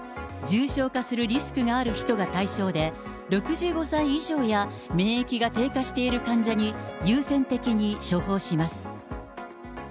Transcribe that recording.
重症化するリスクがある人が対象で、６５歳以上や、免疫が低下している患者に、優先的に処方します。